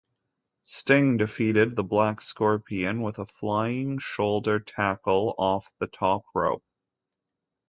Sting defeated the Black Scorpion with a flying shoulder tackle off the top rope.